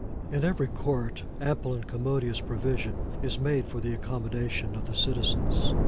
In every Court, ample and commodious provision is made for the accommodation of the citizens.